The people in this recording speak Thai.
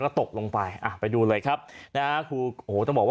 โอ้โหว้